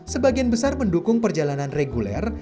sebagian besar pendukung perjalanan reguler